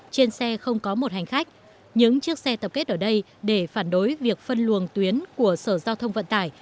trên xe không có một hành khách những chiếc xe tập kết ở đây để phản đối việc phân luồng tuyến của sở giao thông vận tải